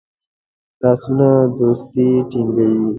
لاسونه دوستی ټینګوي